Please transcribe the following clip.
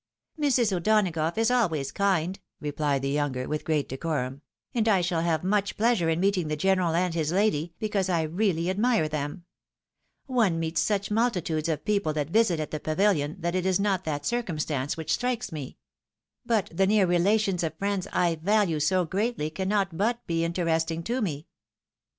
"" Mrs. O'Donagough is always kind," rephed the younger, ic 162 THE WIDOW MAERIED. ■with great decorum, " and I shall have much pleasure in meet ing the general and his lady, because I really admire them. One meets such multitudes of people that visit at the Pavilion, that it is not that circumstance which strikes me. But the near relations of friends I value so greatly cannot but be interesting to me."